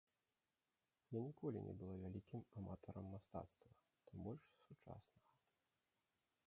Я ніколі не была вялікім аматарам мастацтва, тым больш сучаснага.